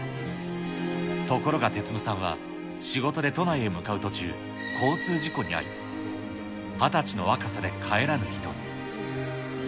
ところが哲夢さんは、仕事で都内へ向かう途中、交通事故に遭い、２０歳の若さで帰らぬ人に。